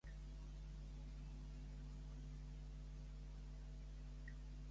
Què va provocar aquella reflexió en la Tecla?